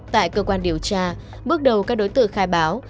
tại cơ quan điều tra bước đầu các đối tượng khai báo